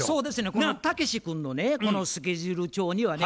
このタケシ君のねこのスケジュール帳にはね